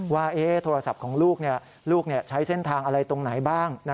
ว่าโทรศัพท์ของลูกลูกใช้เส้นทางอะไรตรงไหนบ้าง